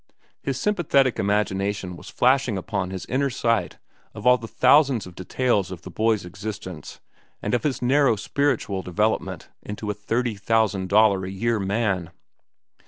His sympathetic imagination was flashing upon his inner sight all the thousands of details of the boy's existence and of his narrow spiritual development into a thirty thousand dollar a year man.